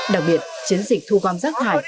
đặc biệt chiến dịch thu gom rác thải